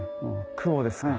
雲ですか。